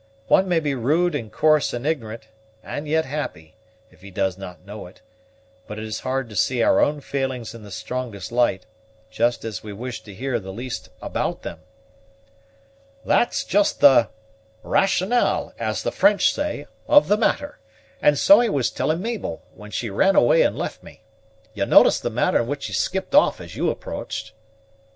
One may be rude and coarse and ignorant, and yet happy, if he does not know it; but it is hard to see our own failings in the strongest light, just as we wish to hear the least about them." "That's just the rationale, as the French say, of the matter; and so I was telling Mabel, when she ran away and left me. You noticed the manner in which she skipped off as you approached?"